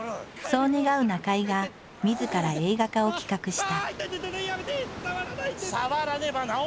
そう願う中井がみずから映画化を企画した。